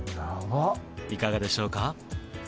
いかがでしょうか？